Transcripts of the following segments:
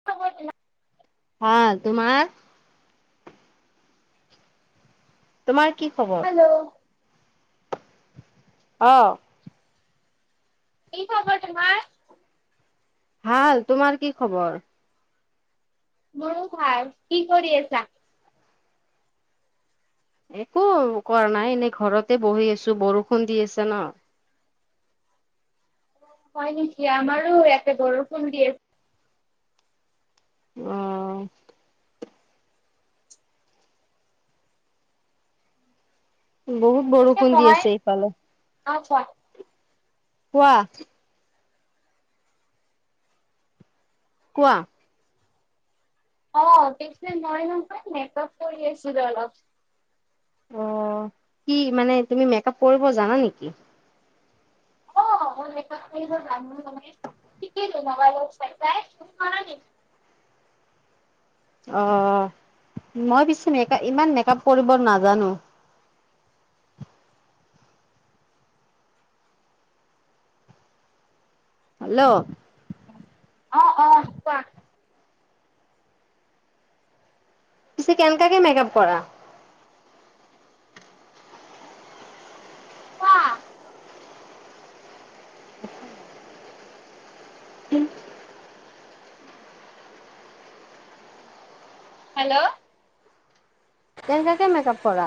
[unintelligible] ভাল। তোমাৰ? তোমাৰ কি খবৰ? হেল্ল'। অঁ। কি খবৰ তোমাৰ? ভাল। তোমাৰ কি খবৰ? মোৰো ভাল। কি কৰি আছা? একো কৰা নাই। এনেই ঘৰতে বহি আছো বৰষুণ দি আছে ন। হয় নেকি? আমাৰো ইয়াতে বৰষুণ দিয়ে। অঁ। বহুত বৰষুণ দি আছে এইফালে। ইচ্ছা। কোৱা? কোৱা। মেকআপ কৰি আছিলো অলপ। অ, কি মানে তুমি মেকআপ কৰিব জানা নেকি? শিকিলোঁ মোবাইলত চাই চাই তুমি। অ, মই পিছে মেকা ইমান মেকআপ কৰিব নাজানো। হেল্ল'। অ অ। কোৱা পিছে কেনেকা কে মেকআপ কৰা? কোৱা। হেল্ল'। তেনেকাকে মেকআপ কৰা।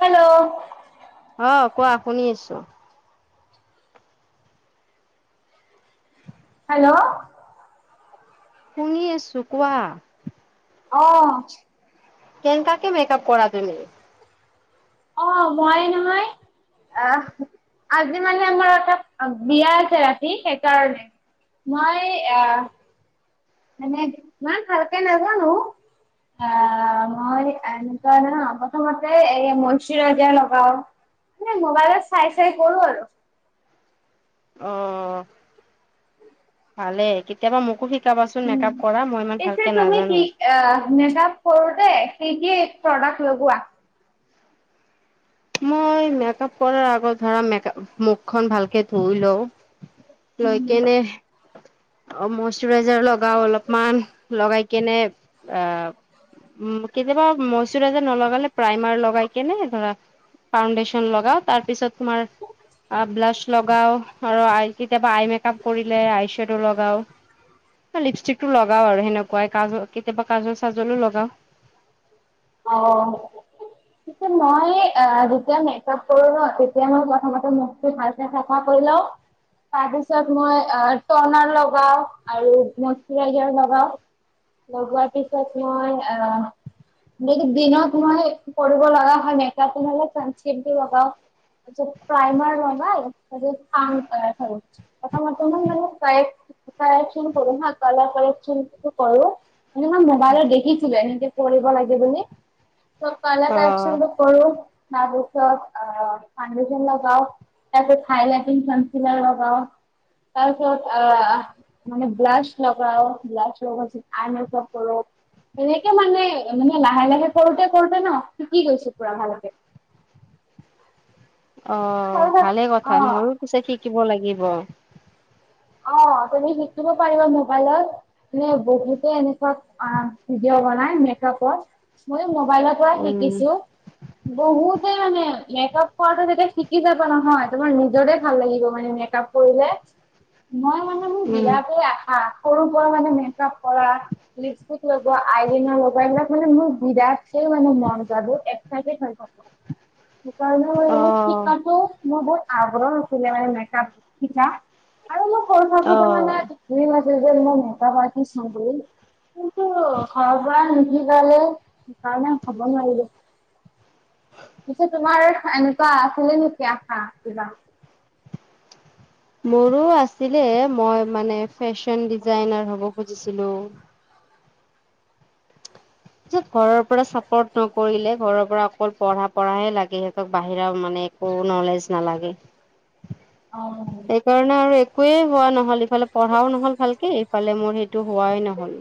হেল্ল'। অ কোৱা শুনি আছোঁ। হেল্ল'। শুনি আছোঁ কোৱা। অ। কেনকাকে মেকআপ কৰা তুমি? অ মই নহয়। আহ আজি মানে আমাৰ এটা বিয়া আছে ৰাতি সেইকাৰণে। মই এ। মানে ইমান ভালকে নাজানো। অ মই প্ৰথমতে এই মৈষৰাইজাৰ লগাও। নাই মোবাইল চাই চাই কৰো আৰু। অ ভালেই, কেতিয়াবা মোকো শিক। শিকাবাচোন মেকআপ কৰা মই ইমান ভালকে নাজানো। এ মেক আপ কৰোতে কি কি প্ৰডাক্ট লগোৱা? মই মেকআপ কৰাৰ আগত ধৰা মুখখন ভালকে ধুই লওঁ। লৈ উম। কেনে মইষৰাইজাৰ লগাও অলপমান লগাই। কেনে আ। উ কেতিয়াবা মইষৰাইজাৰ নলগালে প্ৰাইমাৰ লগাই কেনে ধৰা। ফাউণ্ডেশ্যন লগাও তাৰ পিছত তোমাৰ। আ ব্লাছ লগাও আৰু আই কেতিয়াবা আইমেক আপ কৰিলে আইছেদৌ লগাও। লিপষ্টিক টো লগাও আৰু সেনেকুৱাই কাজ কেতিয়াবা কাজৰ চাজলো লগাও। অ। [inaudible] পিছে মই যেতিয়া মেকআপ কৰো ন তেতিয়া মই প্ৰথমতে মুখটো ভালকে চাফা কৰি লও। তাৰ পিছত মই অ্ টনাৰ লগাও আৰু মইশৰাইজাৰ লগাও। লগোৱাৰ পিছত মই এৰাও। যদি দিনত মই কৰিব লগা হয় মেকআপ তেনেহ'লে চান্সক্ৰীম লগাও। তাৰপিছত প্ৰাইমাৰ লগাই। প্ৰথমতে মই মানে কাৰেক কানেকচন কৰো হা কালাৰ কানেকচনটো কৰো। মানে মই মোবাইলত দেখিছিলো এনেকে কৰিব লাগে বুলি কালাৰ অ কাৰেকচন কৰো তাৰপাছত ফাউণ্ডেশ্যন লগাও। তাক কঞ্চিলা লগাও তাৰপিছত আ। মানে ব্লাছ লগাও, ব্লাছ লগোৱা পাছত আই মেকআপ কৰো, এনেকে মানে। মানে লাহে লাহে কৰোতে কৰোতে ন শিকি গৈছো পুৰা ভালকে। অ্ তাৰপিছত ভালে কথা মইয়ো অ পিছে শিকিব লাগিব। অ্ তুমি শিকিব পাৰিবা মবাইলত। মানে বহুতে এনেকুৱা ভিডিঅ' বনাই মেকাআপত মই মোবাইলৰ পৰা উম শিকিছো, বহুতেই মানে মেকআপ কৰাটো যেতিয়া শিকি যাবা নহয় তোমাৰ নিজৰে ভাল লাগিব মানে মেকআপ কৰিলে। মই মানে মোৰ উম বিৰাটে আশা সৰু পৰা মানে মেকাপ কৰা, লিপষ্টিক লগোৱা, আইলাইনাৰ লগোৱা, এইবিলাক মানে মোৰ বিদ স মানে মনটা বহুত এক্সাইটেড হৈ‌ থাকো। সেইকাৰনে মই অ ‌বলো শিকাটো মোৰ বহুত আগ্ৰহ আছিলে মানে মেকাআপ শিকা। আৰু মই সৰু অ থাকোতে মানে ড্ৰিম আছিল যে মই মেকাআপ আষ্টিত হম বুলি। কিন্তু ঘৰৰ পৰা নিশিকালে সেইকাৰণে হ'ব নোৱাৰিলো। পিছে তোমাৰ এনেকুৱা আছিলে নেকি আশা কিবা। মোৰো আছিলে মই মানে ফেশ্বন ডিজাইনাৰ হ'ব খুজিছিলো। যে ঘৰৰ পৰা চাপৰ্ট নকৰিলে ঘৰৰ পৰা অকল পঢ়া পঢ়াহে লাগে সিহঁতক বাহিৰা মানে। কোনো নলেজ নালাগে। অ। সেইকাৰণে আৰু একোৱেই হোৱা নহ'ল ইফালে পঢ়াও নহল ভালকে ইফালে মোৰ সেইটো হোৱাই নহ'ল।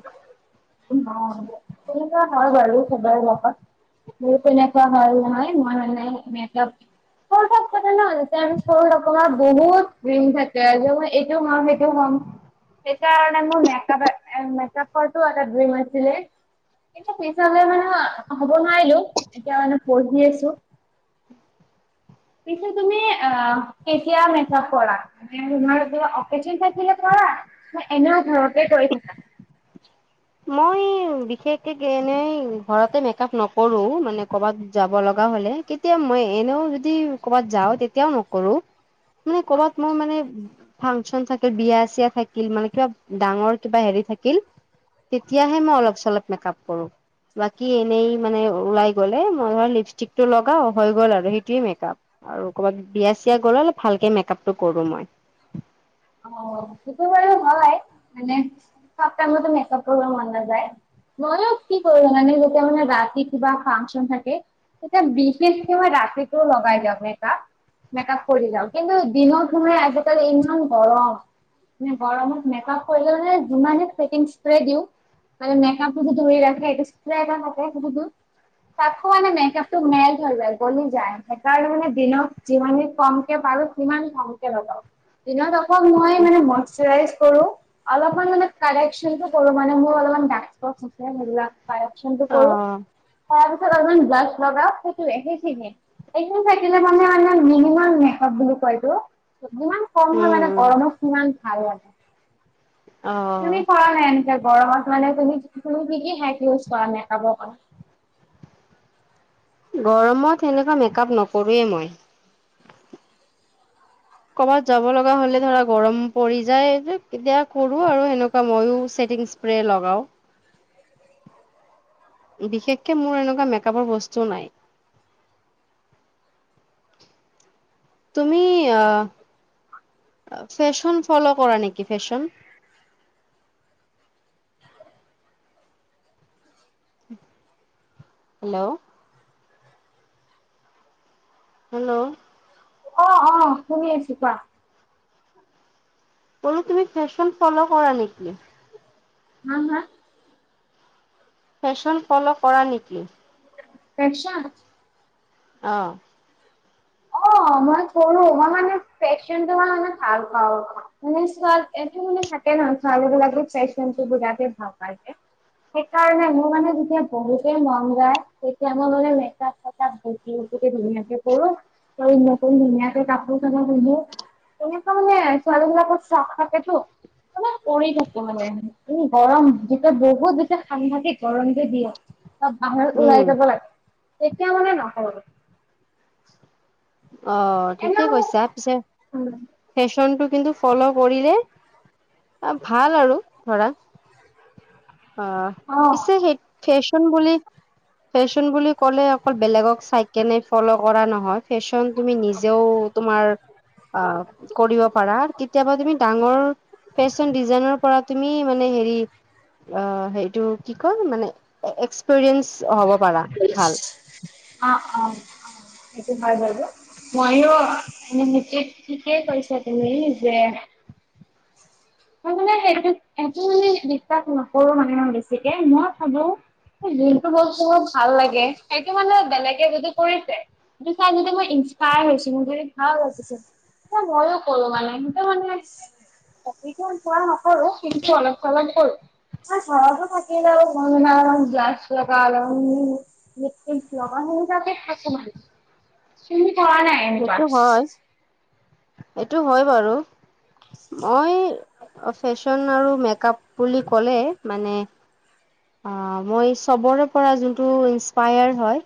তেনেকুৱা হয় বাৰু চবৰে লগত। মোৰ তেনেকুৱা হ'ল নহয় মই মানে মেকাআপ। সৰু থাকোতে নহয় যেতিয়া আমি সৰু থাকো না বহুত ড্ৰিম থাকে যে মই এইটো হুম সেইটো হুম। সেইটো হুম সেইকাৰণে মোৰ মেকাআপ কৰাটো এটা ড্ৰিম আছিলে। এ পিছলে মানে হ'ব নোৱাৰিলো এতিয়া মানে পঢ়ি আছো। পিছে তুমি আহ কেতিয়া মেকাআপ কৰা। তোমাৰ কিবা অকেচন থাকিলে কৰা ন এনেও ঘৰতে কৰি থাকা? মই বিশেষকে এনেই ঘৰতে মেকাআপ নকৰো মানে কৰবাত যাব লগা হ'লে। কেতিয়া মই এনেও যদি কৰ'বাত যাওঁ তেতিয়াও নকৰোঁ। এনেই কবাত মই মানে। ফাংচন থাকিল বিয়া- চিয়া থাকিল মানে কিবা ডাঙৰ কিবা হেৰি থাকিল। তেতিয়াহে মই অলপ চলপ মেক আপ কৰো। বাকী এনেই মানে ওলাই গ'লে মই এই লিপষ্টিক টো লগাও হৈ গ'ল আৰু সেইটোৱে মেকাআপ। আৰু কৰ'বাত বিয়া চিয়া গ'লে ভালকে মেকাআপটো কৰো মই। অ সেইটো বাৰু হয় মানে সবটাইমতে মেকাআপ কৰিব মন নাযায়। মইয়ো কি কৰো যানানে যেতিয়া মানে ৰাতি কিবা ফাংচন থাকে। এয়া বিশেষ সময় ৰাতিটো লগাই যাওঁ মেকাআপ। মেকাআপ কৰি যাওঁ কিন্তু দিনত নহয় আজিকালি ইমান গৰম। গৰমত মেকাআপ কৰি মানে যিমানে থেদিং স্পেৰে দিওঁ। মানে মেকাআপটো ধৰি ৰাখে। তাকো মানে মেকআপটো মেল হৈ যায় গলি যায় সেইকাৰণে মানে দিনত। যিমানে কম কে পাৰো সিমান কমকে লগাও। দিনত আকৌ মই মানে মস্তোৰাইজ কৰো। অলপমান মানে কাৰেকচনটো কৰো মানে মোৰ অলপমান ডাক স্পট আছে মানে সেইবিলাক। কাৰেকচনটো অ কৰো তাৰপিছত অলপমান ব্ৰাচটো লগাও সেইটোৱে সেইখিনিয়ে। এইখিনি থাকিলে মানে মানে মিনিমান মেকাআপ বুলি কয়তো ইমান। উম গৰমো লাগে উম গৰমত কিমান ভাল অ লাগে তুমি কৰা। এনেকে গৰমত মানে তুমি তুমি হেক ইউজ কৰা মেকাআপৰ কাৰনে। গৰমত সেনেকুৱা মেকআপ নকৰোঁৱেই মই। কৰ'বাত যাব লগা হ'লে ধৰা গৰম পৰি যায় তেতিয়া কৰো আৰু সেনেকুৱা মইয়ো থেদিং। স্প্ৰে লগাওঁ। বিশেষকে মোৰ এনেকুৱা মেকআপৰ বস্তু নাই। তুমি আহ ফেশ্বন ফলো কৰা নেকি ফেশ্বন। হেল্ল'। হেল্ল। অহ শুনি আছোঁ কোৱা। কলো তুমি ফেশ্বন ফলো' কৰা নেকি? হা হা। ফেশ্বন ফলো কৰা নেকি? ফেচন। অ। অ মই কৰো মই মানে পন মই মানে ভাল পাওঁ মানে এইটো মানে। ন ফেন বিৰাতেই ভালপাই। সেইকাৰণে মোৰ মানে যেতিয়া বহুতেই মন যায় তেতিয়া মোৰ মানে মেকাপ-চেকাপ কৰো। কৰো আৰু ক ধুনীয়াকে কাপোৰ-চানো পিন্ধো। তেনেকুৱা মানে ছোৱালীবিলাকৰ চখ থাকেতো। অকমান পৰি থাকো মানে গৰম যেতিয়া বহুত বেছি সাংঘাতিক গৰমটো দিয়ে। অলপ বাহিৰত উম ওলাই যাব লাগে তেতিয়া মানে নহয়। অ এনে ঠিকে কৈছা পিছে মোক ফেশ্বনটো কিন্তু ফল' কৰিলে। আহ ভাল আৰু ধৰা আহ অ', পিছে সেইটো। ফেশ্বন বুলি ফেশ্বন বুলি ক'লে অকল বেলেগক চাই কেনে ফ'ল' কৰা নহয়। ফেশ্বন তুমি নিজেও তোমাৰ। অ কৰিব পাৰা কেতিয়াবা তুমি ডাঙৰ। ফেশ্বন ডিজাইনৰ পৰা তুমি মানে হেৰি অ সেইটো। কি কম মানে এক্সপেৰিয়েন্ঞ্চ হ'ব পাৰা ভাল। আ অ সেইটো ভাল হ'ব। মইনো এনে মই ঠিকেই কৈছে তুমি যে। তাৰমানে সেইটো একো বুলি বিশ্বাস নকৰো মানে বেছিকে মই ভাৱোঁ। যোনটো বস্তু মোৰ ভাল লাগে সেইটো মানে বেলেগে যদি কৰিছে। সেইটো চাই কেনে মই ইন্সপায়াৰ হৈছো মই ভাল হৈছোঁ এ ময়ো কৰো মানে সেইটো মানে। সেইটো পোৱা নকৰো কিন্তু অলপ চলপ কৰো। চৰো ঘৰতো থাকেই যাব যাস কালন। দে অব স যে থাকো তুমি কৰা নাই। এনেকুৱা সেইটো হয় এইটো হয় বাৰু। মই ফেশ্বন আৰু মেক আপ বুলি ক'লে মানে। অ মই চবৰে পৰা যোনটো ইনস্পায়াৰ হয়।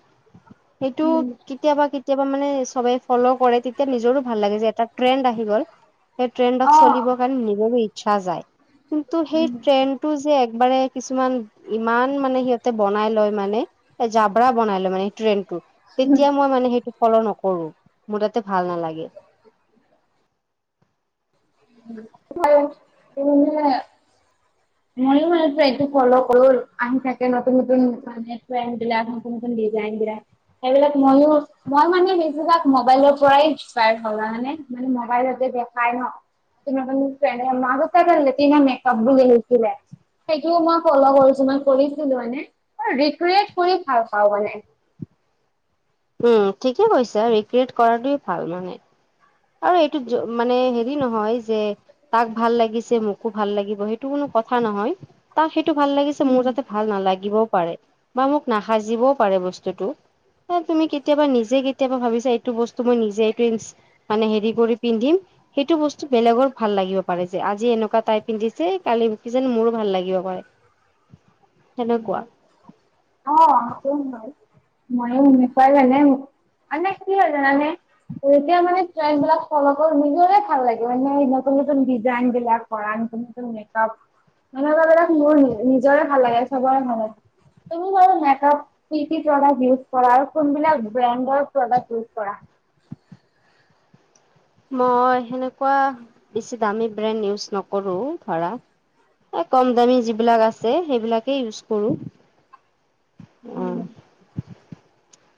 সেইটো উম কেতিয়াবা কেতিয়াবা মানে চবে। ফলও কৰে তেতিয়া নিজৰো ভাল লাগে যে এটা ট্ৰেণ্ড আহি গল। সেই ট্ৰেণ্ডত অ চলিব। নিব ইচ্ছা যায় কিন্তু সেইচলিব উম ট্ৰেণ্ড। টো একবাৰে কিছুমান ইমান মানে সিহঁতে বনাই লয় মানে। এই জাবৰা বনাই লয় মানে এই ট্ৰেণ্ডটো। তেতিয়া মই মানে সেইটো ফল' নকৰো মোৰ তাতে ভাল নালাগে। [unintelligible] মইও যে এইটো ফলৌ কৰো আহি থাকে নতুন নতুন- মানুহে কয় সেইবিলাক নতুন নতুন দিজাইনবিলক। সেইবিলাক মইও- মই মানে বেছিভাগ মবাইলৰ পৰাই ইনস্পায়াৰ হলানে মানে মবাইলতে দেখাই ন। [unintelligible] সেইটোও মই ফলৌ কৰিছো মান কৰিছিলো হয় নে? মই ৰিক্ৰীয়েত কৰি ভাল পাওঁ মানে। উম ঠিকে কৈছা ৰিক্ৰিয়েট কৰাটোৱেই ভাল মানে। আৰু এইটো মানে হেৰি নহয় যে- তাক ভাল লাগিছে মোকো ভাল লাগিব সেইটো কোনো কথা নহয়। তাক সেইটো ভাল লাগিছে মোৰ যাতে ভাল নালাগিবও পাৰে বা মোক নাাসাজিবও পাৰে বস্তুটো। বা তুমি কেতিয়াবা নিজে কেতিয়াবা ভাবিছা এইটো বস্তু মই নিজে এই- মানে হেৰি কৰি পিন্ধিম। সেইটো বস্তু বেলেগৰ ভাল লাগিব পাৰে যে আজি এনেকুৱা তাই পিন্ধিছে কালি কিযান মোৰো ভাল লাগিব পাৰে। সেনেকুৱা। অঁ সেইটো হয়। মানে এনেকুৱা লাগে, মানে কি হয় জানানে? এতিয়া মানে ট্ৰেন বিলাক ফল' কৰি- নিজকে ভাল লাগে। মানে নতুন নতুন ডিজাইন বিলাক কৰাৰ নতুন নতুন মেকআপ। যেনেকুৱা বিলাক মোৰ নিজৰে ভাল লাগে চবৰে মানে। তুমি বাৰু নেটত কি কি প্ৰদাক ইওজ কৰা? কোনবিলাক ব্ৰেণ্ডৰ প্ৰদক ইওজ কৰা? মই সেনেকুৱা বেছি দামী ব্ৰেণ্ড ইউজ নকৰো। ধৰা- এ কম দামী যিবিলাক আছে সেইবিলাকে ইউজ কৰো। উম।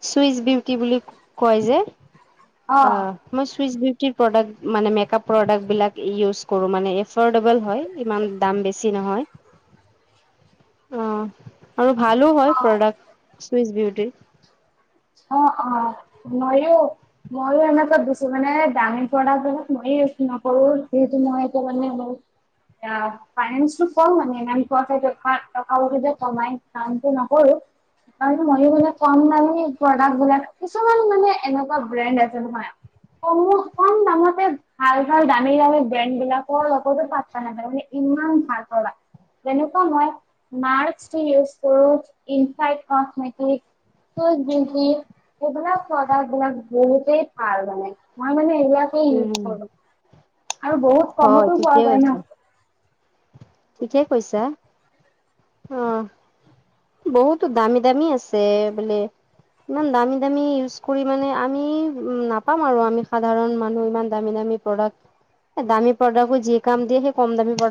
চুইচ বিউ- কি বুলি কয় যে? অ' মই চুইচ বি- টি প্ৰডাক্ট মানে মেকআপ প্ৰডাক্ট বিলাক ইউজ কৰোঁ মানে এফৰ্ডেবল হয়। ইমান দাম বেছি নহয়। অঁ আৰু ভালো হয় প্ৰডাক্ট চুইচ বিউটিৰ। অঁ অঁ ময়ো- ময়ো এনেকৈ দিছো মানে দামী প্ৰডাক্টক মই ইউজ নকৰো। যিহেতু মই এতিয়া মানে- অঁ ফাইঞ্চটো কম মানে ইমান কোৱা টকাও যে কমাই কামটো নকৰো। আমি মৰিবলে কাম মানে- প্ৰডাক্ট বিলাক। কিছুমান মানে এনেকুৱা ব্ৰেণ্ড আছে নহয়। কমত কম দামতে ভাল ভাল দামী দামী ব্ৰেণ্ড বিলাকৰ লগতো পাত্তা নাপাই। ইমান ভাল কৰা। তেনেকুৱা মই মাৰ্চ টি এইচ টো ইনফাইড ট্ৰংস্মেটিক- চো গ্ৰীণ- টি এইবিলাক প্ৰদাৰ্ক বিলাক বহুতেই ভাল মানে। মই মানে এইবিলাক- তেই ইউজ উম কৰো। আৰু বহুত হয় কমতো পোৱা ঠিকেই যায় কৈছা ন। ঠিকে কৈছা। আহ' বহুতো দামী দামী আছে বোলে। ইমান দামী দামী ইউজ কৰি মানে আমি উম নাপাম আৰু আমি সাধাৰণ মানুহ ইমান দামী দামী- প্ৰডাক্ট। এ দামী প্ৰডাক্টবোৰ যি কাম দিয়ে সেই কম দামী প্ৰডাক্ট-